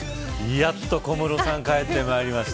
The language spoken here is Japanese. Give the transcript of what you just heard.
やっと小室さん帰ってまいりました。